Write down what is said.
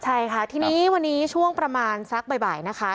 ใช่ค่ะทีนี้วันนี้ช่วงประมาณสักบ่ายนะคะ